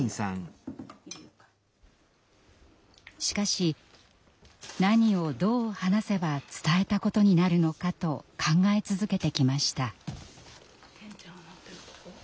しかし何をどう話せば伝えたことになるのかと考え続けてきました。